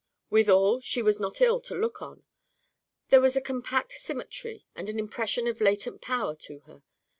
Withal, she was not ill to look on. There was a compact symmetry and an impression of latent power to her.